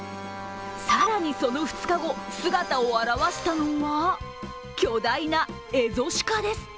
更にその２日後、姿を現したのが巨大なエゾシカです。